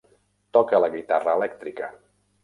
Toca la guitarra elèctrica.